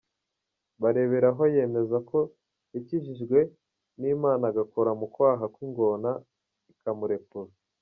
Bareberaho yemeza ko yakijijwe n’Imana, agakora mu kwaha kw’ingona ikamurekura.